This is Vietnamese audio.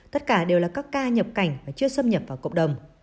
tất cả đều là các ca nhập cảnh và chưa xâm nhập vào cộng đồng